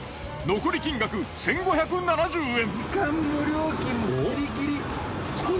残り金額１，５７０円！